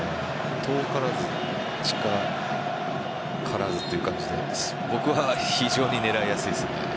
遠からず近からずという感じで僕は非常に狙いやすいです。